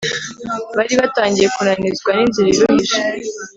bari batangiye kunanizwa n'inzira iruhije